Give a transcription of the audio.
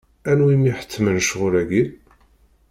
Anwi i m-iḥettmen ccɣel-agi?